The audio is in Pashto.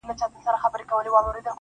د زاريو له دې کښته قدم اخله_